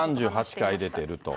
３８回出てると。